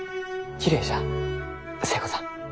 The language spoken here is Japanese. きれいじゃ寿恵子さん。